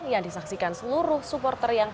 yang disaksikan seluruh supporter yang